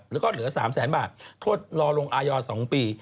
หรือก็เหลือ๓๐๐๐๐๐บาทโทษรอลงอายา๒ปี